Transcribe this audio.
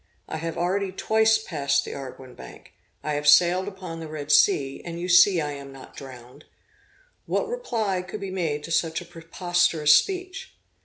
I have already twice passed the Arguin Bank; I have sailed upon the Red Sea, and you see I am not drowned.' What reply could be made to such a preposterous speech?